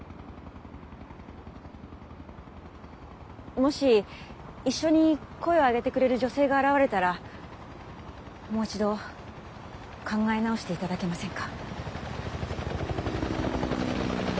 もし一緒に声を上げてくれる女性が現れたらもう一度考え直して頂けませんか？